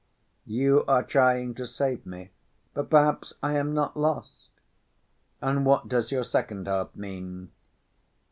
"You are trying to save me, but perhaps I am not lost! And what does your second half mean?"